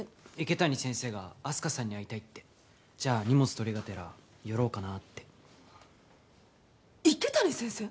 池谷先生があす花さんに会いたいってじゃあ荷物取りがてら寄ろうかなって池谷先生？